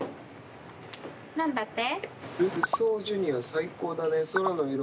何だって？